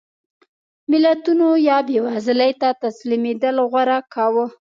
ملتونو یا بېوزلۍ ته تسلیمېدل غوره کاوه.